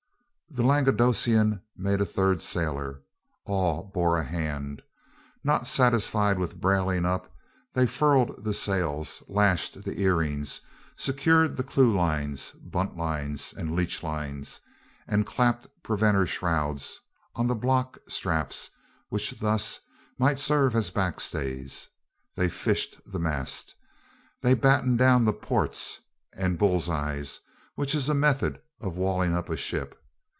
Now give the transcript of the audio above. The Languedocian made a third sailor. All bore a hand. Not satisfied with brailing up, they furled the sails, lashed the earrings, secured the clew lines, bunt lines, and leech lines, and clapped preventer shrouds on the block straps, which thus might serve as back stays. They fished the mast. They battened down the ports and bulls' eyes, which is a method of walling up a ship.